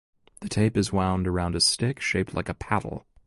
The tape is wound around a stick shaped like a paddle.